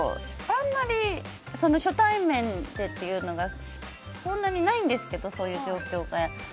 あまり初対面でというのがそんなにないんですけどそういう状況が。